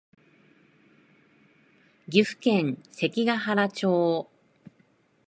岐阜県関ケ原町